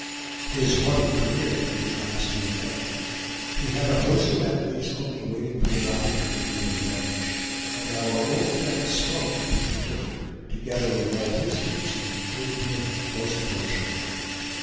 His haughty career came at last to an end. He had a host of enemies only waiting for their opportunity of revenge, and our old friend Smoke, in particular, together with all his kinsmen, hated him most cordially.